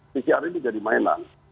pcr ini jadi mainan